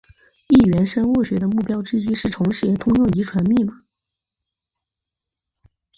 异源生物学的目标之一是重写通用遗传密码。